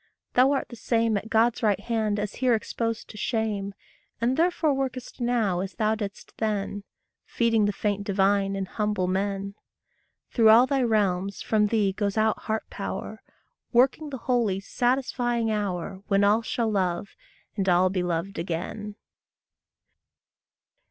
Thou art the same At God's right hand as here exposed to shame, And therefore workest now as thou didst then Feeding the faint divine in humble men. Through all thy realms from thee goes out heart power, Working the holy, satisfying hour, When all shall love, and all be loved again.